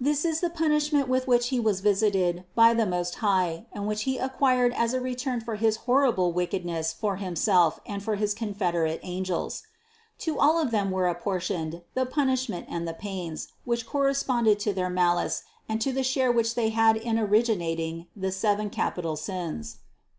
This is the punishment with which he was visited by the Most High and which he acquired as a return for his horrible wickedness for himself and for his confederate angels. To all of them were apportioned the punishment and the pains, which corresponded to their malice and to the share which they had in origi nating the seven capital sins. 104.